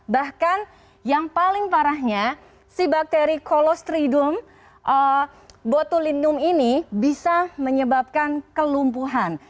bahkan yang paling parahnya si bakteri kolostridum botulinum ini bisa menyebabkan kelumpuhan